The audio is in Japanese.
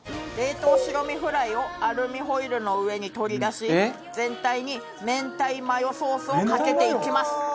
冷凍白身フライをアルミホイルの上に取り出し全体に明太マヨソースをかけていきます。